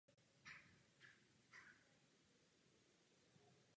Společně pak podnikali cesty po Těšínsku a Beskydech.